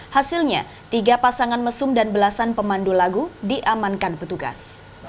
hasilnya tiga pasangan mesum dan belasan pemandu lagu diamankan petugas